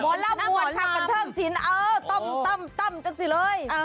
หมอนล่ำหมวนค่ะบันเทิงศิลป์ต้มต้มต้มต้มสิเลย